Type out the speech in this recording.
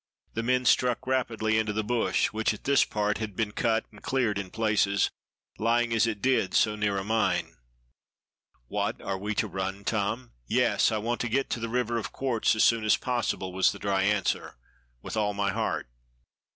The men struck rapidly into the bush, which at this part had been cut and cleared in places, lying as it did so near a mine. "What, are we to run, Tom?" "Yes! I want to get to the river of quartz as soon as possible," was the dry answer. "With all my heart."